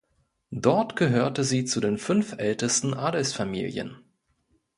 Dort gehörte sie zu den fünf ältesten Adelsfamilien.